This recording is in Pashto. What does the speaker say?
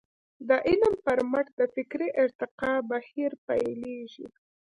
د علم په مټ د فکري ارتقاء بهير پيلېږي.